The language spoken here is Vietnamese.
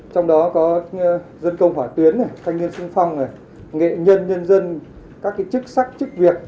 trong đó có dân công hỏa tuyến thanh niên sinh phong nghệ nhân nhân dân các chức sắc chức việc